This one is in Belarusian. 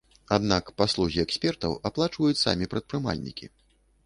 Аднак паслугі экспертаў аплачваюць самі прадпрымальнікі.